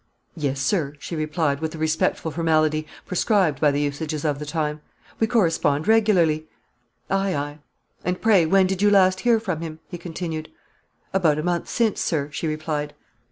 "Yes, sir," she replied, with the respectful formality prescribed by the usages of the time, "we correspond regularly." "Aye, aye; and, pray, when did you last hear from him?" he continued. "About a month since, sir," she replied.